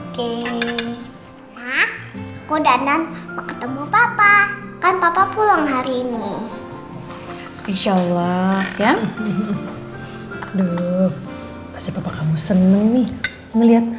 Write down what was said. kudanan ketemu papa kan papa pulang hari ini insyaallah ya dulu pasti kamu seneng nih melihat